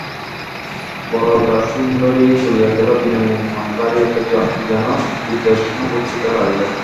বরদাসুন্দরী চলিয়া গেলে বিনয়ের মনে ভারি একটা যেন বিতৃষ্ণা বোধ হইতে লাগিল।